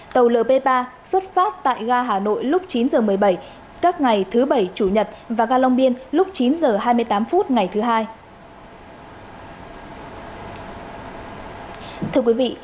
tàu lp ba xuất phát tại ga hà nội lúc chín h một mươi bảy các ngày thứ bảy chủ nhật và ga long biên lúc chín h hai mươi tám phút ngày thứ hai